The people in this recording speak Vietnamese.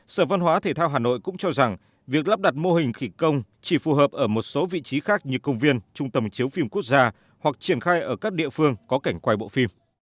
sở văn hóa thể thao hà nội cũng cho rằng việc lắp đặt mô hình khỉ công chỉ phù hợp ở một số vị trí khác như công viên trung tâm chiếu phim quốc gia hoặc triển khai ở các địa phương có cảnh quay bộ phim